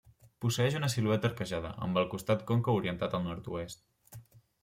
Posseeix una silueta arquejada, amb el costat còncau orientat al nord-oest.